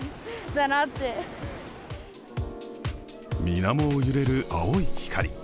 水面を揺れる青い光。